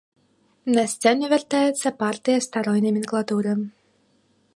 На сцэну вяртаецца партыя старой наменклатуры.